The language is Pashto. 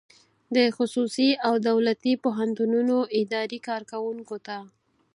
د خصوصي او دولتي پوهنتونونو اداري کارکوونکو ته